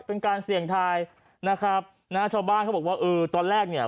เป็นการเสี่ยงทายนะครับนะฮะชาวบ้านเขาบอกว่าเออตอนแรกเนี่ย